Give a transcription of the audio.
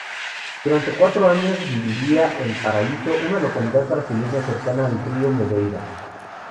Durante cuatro años viviría en Paraiso, una localidad brasileña cercana al Río Madeira.